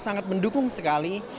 sangat mendukung sekali